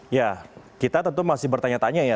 ya kita tentu masih bertanya tanya ya